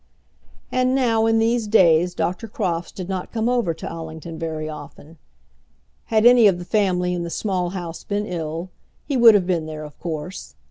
And now, in these days, Dr. Crofts did not come over to Allington very often. Had any of the family in the Small House been ill, he would have been there of course.